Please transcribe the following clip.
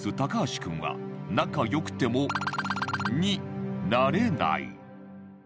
君は仲良くてもになれない